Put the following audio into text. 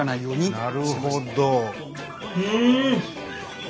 なるほど。